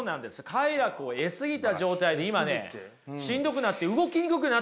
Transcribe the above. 快楽を得過ぎた状態で今ねしんどくなって動きにくくなってるわけですよ。